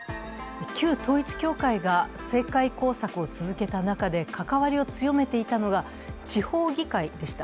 旧統一教会が政界工作を続けた中で関わりを強めていたのが地方議会でした。